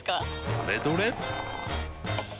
どれどれっ！